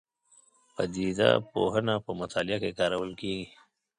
پدیده پوهنه په مطالعه کې کارول کېږي.